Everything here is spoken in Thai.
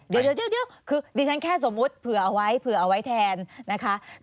เดี๋ยวคือดิฉันแค่สมมุติเผื่อเอาไว้เผื่อเอาไว้แทนนะคะ